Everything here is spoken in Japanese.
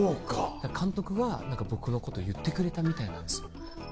監督は僕のこと言ってくれたみたいなんですよ。